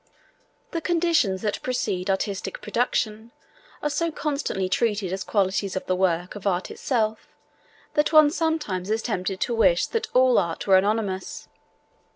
The conditions that precede artistic production are so constantly treated as qualities of the work of art itself that one sometimes is tempted to wish that all art were anonymous.